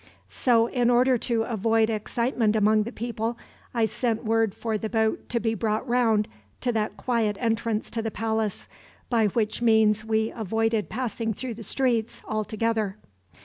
So in order to avoid excitement among the people, I sent word for the boat to be brought round to that quiet entrance to the palace, by which means we avoided passing through the streets, altogether.